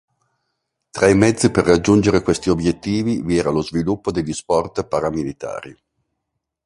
Tra i mezzi per raggiungere questi obiettivi vi era lo sviluppo degli sport paramilitari.